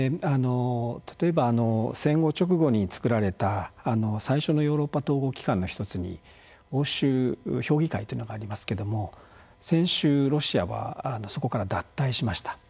例えば、戦後直後に作られた最初のヨーロッパ統合機関の１つに欧州評議会というのがありますけれども先週、ロシアはそこから脱退しました。